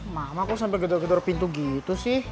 mama aku sampai gedor gedor pintu gitu sih